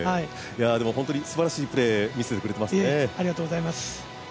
本当にすばらしいプレーを見せてくれていますね。